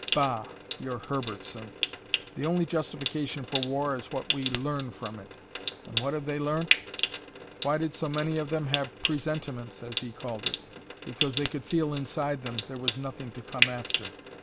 Bah, your Herbertson! The only justification for war is what we learn from it. And what have they learnt? Why did so many of them have presentiments, as he called it? Because they could feel inside them, there was nothing to come after.